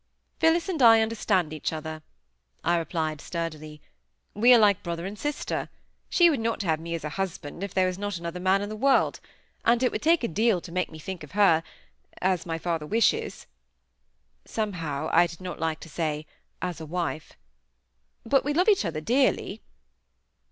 "Phillis and I understand each other," I replied, sturdily. "We are like brother and sister. She would not have me as a husband if there was not another man in the world; and it would take a deal to make me think of her—as my father wishes" (somehow I did not like to say "as a wife"), "but we love each other dearly."